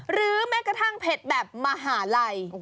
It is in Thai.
แม้กระทั่งเผ็ดแบบมหาลัย